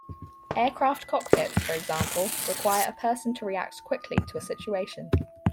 Aircraft cockpits, for example, require a person to react quickly to a situation.